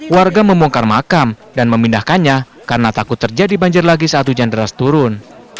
warga membongkar makam dan memindahkannya karena takut terjadi banjir lagi saat hujan deras turun